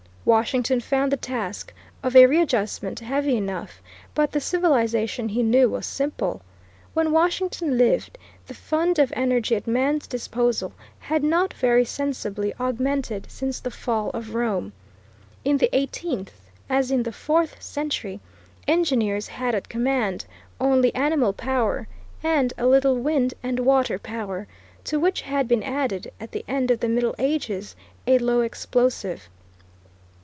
Washington found the task of a readjustment heavy enough, but the civilization he knew was simple. When Washington lived, the fund of energy at man's disposal had not very sensibly augmented since the fall of Rome. In the eighteenth, as in the fourth century, engineers had at command only animal power, and a little wind and water power, to which had been added, at the end of the Middle Ages, a low explosive.